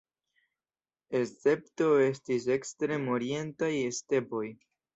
Escepto estis ekstrem-orientaj stepoj.